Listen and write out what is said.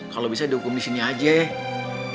kalo bisa dihukum di sini aja